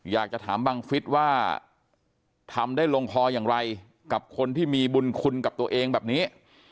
อยากจะถามบังฟิศว่าทำได้ลงคออย่างไรกับคนที่มีบุญคุณกับตัวเองแบบนี้